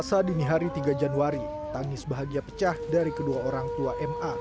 selasa dini hari tiga januari tangis bahagia pecah dari kedua orang tua ma